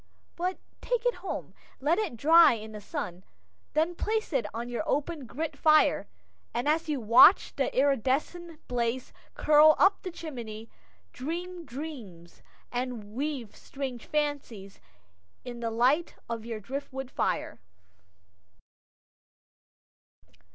But take it home, let it dry in the sun, then place it on your open grate fire, and as you watch the iridescent blaze curl up the chimney, dream dreams, and weave strange fancies in the light of your driftwood fire.